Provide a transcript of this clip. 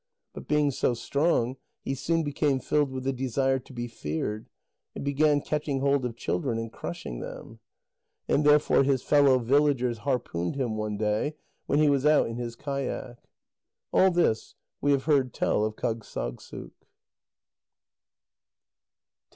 But being so strong, he soon became filled with the desire to be feared, and began catching hold of children and crushing them. And therefore his fellow villagers harpooned him one day when he was out in his kayak. All this we have heard tell of Kâgssagssuk.